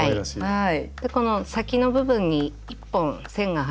はい。